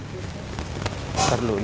tidak ada tabung kip